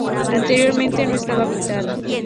Anteriormente no estaba habitada.